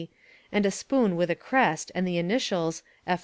B.', and a spoon with a crest and the initials F.